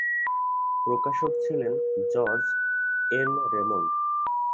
প্রকাশক ছিলেন George N Raymond.